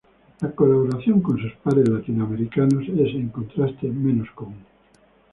La colaboración con sus pares latinoamericanos es, en contraste, menos común.